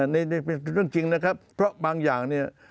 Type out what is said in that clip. นี่เป็นเรื่องจริงนะครับเพราะบางอย่างเนี่ย